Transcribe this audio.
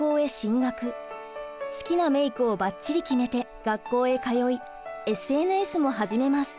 好きなメイクをばっちり決めて学校へ通いＳＮＳも始めます。